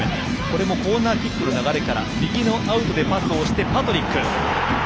これもコーナーキックの流れからパスをしてパトリック。